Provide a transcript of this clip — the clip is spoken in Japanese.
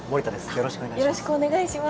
よろしくお願いします。